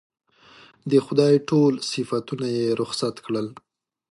د خدای ټول صفتونه یې رخصت کړل.